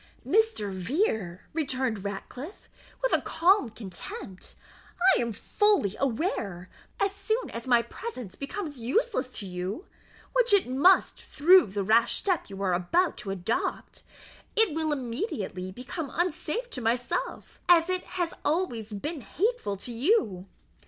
"Mr. Vere," returned Ratcliffe, with calm contempt, "I am fully aware, that as soon as my presence becomes useless to you, which it must through the rash step you are about to adopt, it will immediately become unsafe to myself, as it has always been hateful to you.